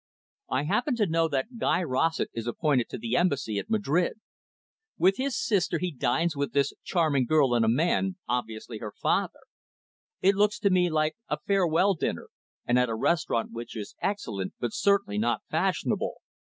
I happen to know that Guy Rossett is appointed to the Embassy at Madrid. With his sister, he dines with this charming girl and a man, obviously her father. It looks to me like a farewell dinner, and at a restaurant which is excellent, but certainly not fashionable.